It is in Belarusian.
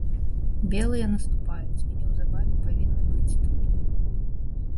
Белыя наступаюць і неўзабаве павінны быць тут.